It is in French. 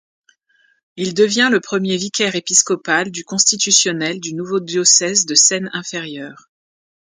Il devient le premier vicaire épiscopal du constitutionnel du nouveau diocèse de Seine-Inférieure.